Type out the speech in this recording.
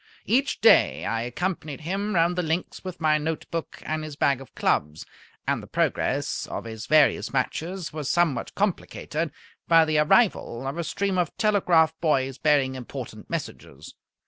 Each day I accompanied him round the links with my note book and his bag of clubs, and the progress of his various matches was somewhat complicated by the arrival of a stream of telegraph boys bearing important messages.